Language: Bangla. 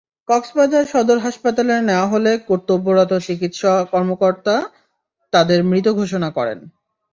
কক্সবাজার সদর হাসপাতালে নেওয়া হলে কর্তব্যরত চিকিৎসা কর্মকর্তা তাঁদের মৃত ঘোষণা করেন।